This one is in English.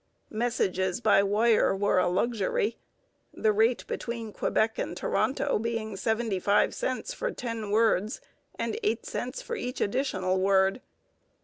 Messages by wire were a luxury, the rate between Quebec and Toronto being seventy five cents for ten words and eight cents for each additional word.